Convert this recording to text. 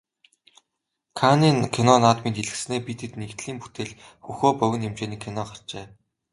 Каннын кино наадмын дэлгэцнээ "Бид хэд" нэгдлийн бүтээл "Хөхөө" богино хэмжээний кино гарчээ.